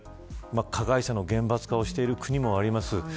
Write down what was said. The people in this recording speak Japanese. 加害者の厳罰化をしている国もあります。